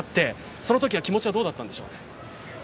そのときは気持ちはどうだったんでしょう。